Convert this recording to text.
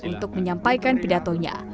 untuk menyampaikan pidatonya